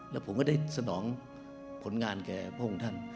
แล้วผมก็ได้สนองผลงานแก่พระองค์ท่าน